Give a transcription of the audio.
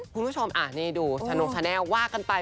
คุณผู้ชมอ่ะนี่ดูชานกแชนแนววากันไป